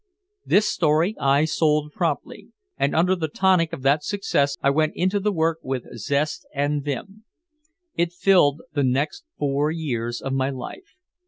This story I sold promptly, and under the tonic of that success I went into the work with zest and vim. It filled the next four years of my life.